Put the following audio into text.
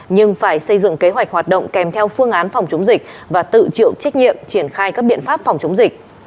nhưng phải xây dựng kế hoạch hoạt động kèm theo phương án phòng chống dịch và tự chịu trách nhiệm triển khai các biện pháp phòng chống dịch